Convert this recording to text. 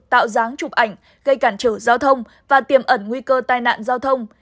tạo dáng chụp ảnh gây cản trở giao thông và tiềm ẩn nguy cơ tai nạn giao thông